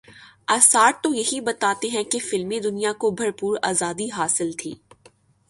آثار تو یہی بتاتے ہیں کہ فلمی دنیا کو بھرپور آزادی حاصل تھی۔